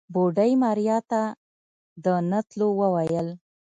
بوډۍ ماريا ته د نه تلو وويل.